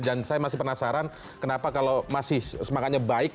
dan saya masih penasaran kenapa kalau masih semangatnya baik